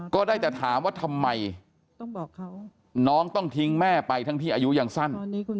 ก็ได้แต่ถามว่าทำไมน้องต้องทิ้งแม่ไปทั้งที่อายุยังสั้น